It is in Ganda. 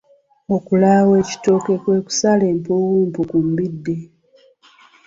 Okulaawa ekitooke kwe kusala empumumpu ku mbidde.